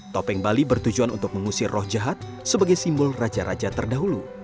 topeng bali bertujuan untuk mengusir roh jahat sebagai simbol raja raja terdahulu